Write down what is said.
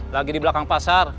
lagi di belakang pasar